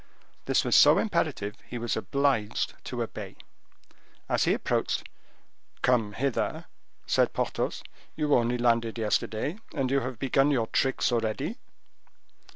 This was so imperative, he was obliged to obey. As he approached, "Come hither!" said Porthos. "You only landed yesterday and you have begun your tricks already."